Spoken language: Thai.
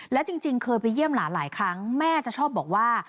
และจริงเคยไปเยี่ยมหลานหลายครั้งแม่จะชอบบอกว่า